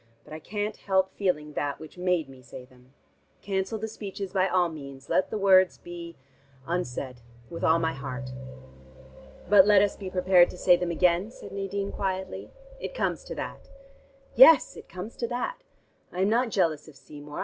But I can't help feeling that which made me say them. Cancel the speeches by all means. Let the words be unsaid with all my heart." "But let us be prepared to say them again?" said Nadine quietly. "It comes to that." "Yes, it comes to that. I am not jealous of Seymour.